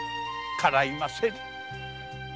かないませぬ。